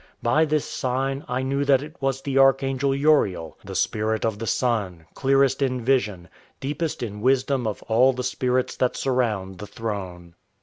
By this sign I knew that it was the archangel Uriel, the spirit of the Sun, clearest in vision, deepest in wisdom of all the spirits that surround the throne.